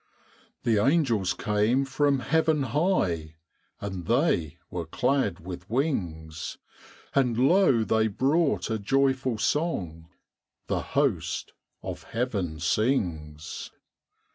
The angels came from heaven high, And they were clad with wings; And lo, they brought a joyful song The host of heaven sings.